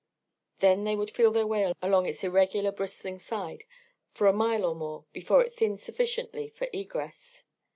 Then they would feel their way along its irregular bristling side for a mile or more before it thinned sufficiently for egress.